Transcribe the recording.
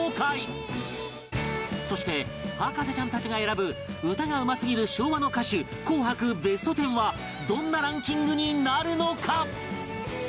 そして博士ちゃんたちが選ぶ歌がうますぎる昭和の歌手紅白ベストテンはどんなランキングになるのか？